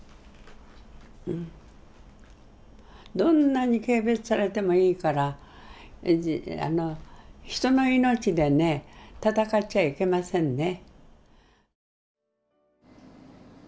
どんなに軽蔑されてもいいから人の命でね戦っちゃいけませんね。